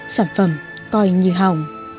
sản phẩm coi như hồng